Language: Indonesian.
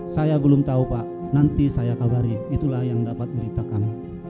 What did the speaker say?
saya belum tahu pak nanti saya kabari itulah yang dapat beritakan